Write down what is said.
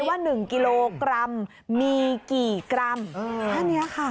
ว่า๑กิโลกรัมมีกี่กรัมแค่นี้ค่ะ